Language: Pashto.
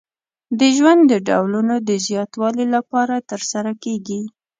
د ژوند د ډولونو د زیاتوالي لپاره ترسره کیږي.